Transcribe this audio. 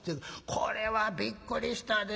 これはびっくりしたで。